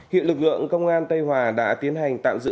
hiện lực lượng công an tây hòa đã tiến hành tạm giữ